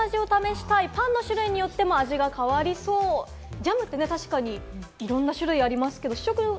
ジャムって確かにいろんな試食がありますけれども。